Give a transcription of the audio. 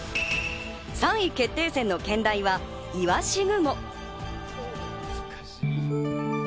３位決定戦の兼題は「鰯雲」。